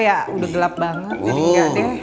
ya udah gelap banget jadi ya deh